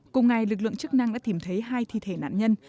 cùng ngày lực lượng chức năng đã tìm thấy hai thi thể nạn nhân